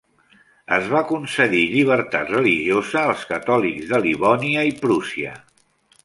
Es va concedir llibertat religiosa als catòlics de Livònia i Prússia.